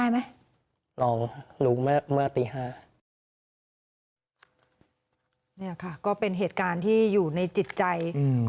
เมื่อคืนคุณพีชรู้ข่าวร้องไห้ไหม